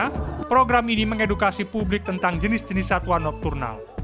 karena program ini mengedukasi publik tentang jenis jenis satwa nokturnal